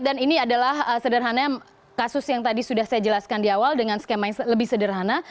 ini adalah sederhana kasus yang tadi sudah saya jelaskan di awal dengan skema yang lebih sederhana